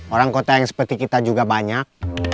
orang kota yang seperti kita juga banyak